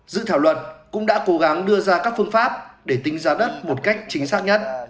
dự thảo luật cũng đã cố gắng đưa ra các phương pháp để tính giá đất một cách chính xác nhất